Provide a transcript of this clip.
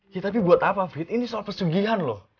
ya tapi buat apa fit ini soal persegihan loh